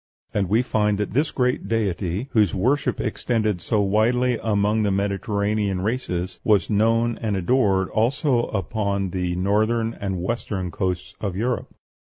And we find that this great deity, whose worship extended so widely among the Mediterranean races, was known and adored also upon the northern and western coasts of Europe.